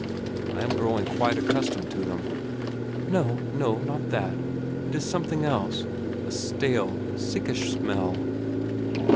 "I am growing quite accustomed to them." "No, no; not that. It is something else. A stale, sickish smell."